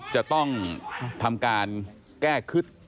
จะต้องทำการแก้คิด